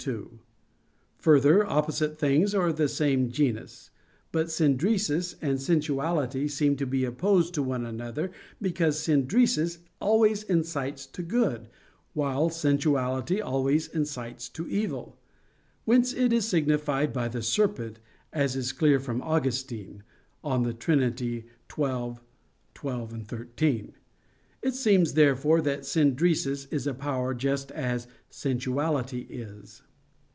2: Further, opposite things are of the same genus. But "synderesis" and sensuality seem to be opposed to one another because "synderesis" always incites to good; while sensuality always incites to evil: whence it is signified by the serpent, as is clear from Augustine (De Trin. xii, 12,13). It seems, therefore, that "synderesis" is a power just as sensuality is.